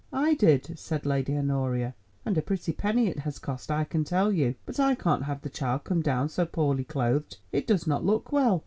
"I did," said Lady Honoria, "and a pretty penny it has cost, I can tell you. But I can't have the child come down so poorly clothed, it does not look well."